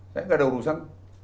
saya nggak ada urusan